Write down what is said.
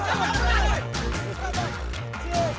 cien bangu cien